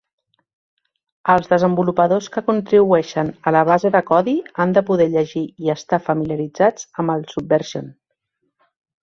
Els desenvolupadors que contribueixen a la base de codi han de poder llegir i estar familiaritzats amb el Subversion.